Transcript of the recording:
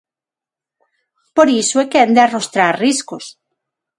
Por iso é quen de arrostrar riscos.